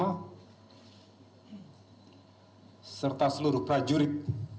dan kepada semua serta seluruh prajurit